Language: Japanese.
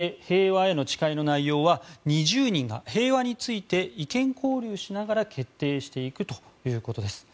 そして「平和への誓い」の内容は２０人が平和について意見交流しながら決定していくということです。